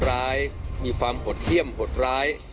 นี่จากคนร้ายมีความหดเที่ยมหดร้าย